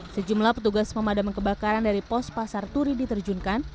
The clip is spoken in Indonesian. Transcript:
sejumlah petugas pemadam kebakaran dari pos pasar turi diterjunkan